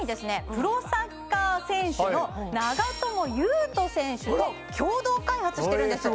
プロサッカー選手の長友佑都選手と共同開発してるんですそれ